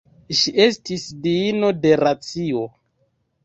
Ŝi estis diino de racio.